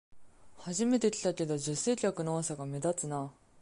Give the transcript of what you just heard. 初めて来たけど、女性客の多さが目立つな